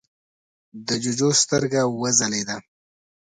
د جُوجُو سترګه وځلېده: